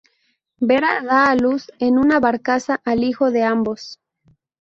Vera da a luz en una barcaza al hijo de ambos.